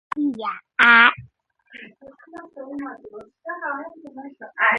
მდინარე ფაწის მარცხენა ნაპირზე.